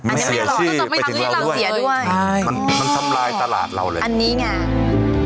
ไม่ใช่อร่อยไม่ทำให้เราเสียด้วยใช่มันทำลายตลาดเราเลยอันนี้ไง